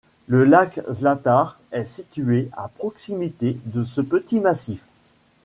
Le lac Zlatar est situé à proximité de ce petit massif.